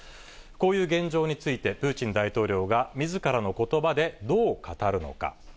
こういう現状について、プーチン大統領がみずからのことばでどう語るのか。